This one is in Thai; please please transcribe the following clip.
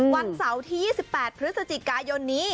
วันเสาร์ที่๒๘พฤศจิกายนนี้